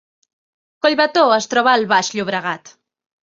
Collbató es troba al Baix Llobregat